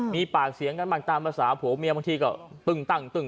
มีปากเสียงกันบ้างตามภาษาผัวเมียบางทีก็ตึ้งตั้งตึ้ง